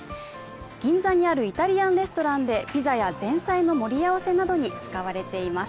銀座にあるイタリアンレストランでピザや前菜の盛り合わせなどに使われています